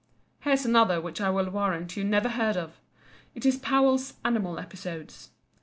Here's another which I will warrant you never heard of. It is Powell's "Animal Episodes."